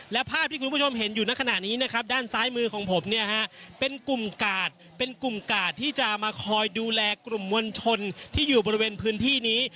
และภาพที่คุณผู้ชมเห็นอยู่ในขณะนี้นะครับด้านซ้ายมือของผมเนี่ยฮะเป็นกลุ่มกาดเป็นกลุ่มกาดที่จะมาคอยดูแลกลุ่มมวลชนที่อยู่บริเวณพื้นที่นี้